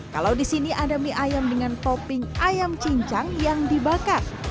kalau di sini ada mie ayam dengan topping ayam cincang yang dibakar